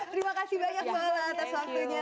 terima kasih banyak mbak lala atas waktunya